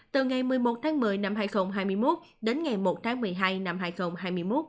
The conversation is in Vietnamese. từ ngày một mươi một tháng một mươi năm hai nghìn hai mươi một đến ngày một tháng một mươi hai năm hai nghìn hai mươi một